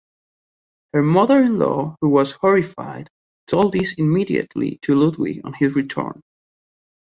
Her mother-in-law, who was horrified, told this immediately to Ludwig on his return.